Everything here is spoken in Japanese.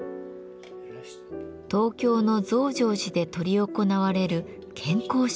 東京の増上寺で執り行われる献香式です。